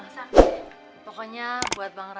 nyari perhatiannya ke mana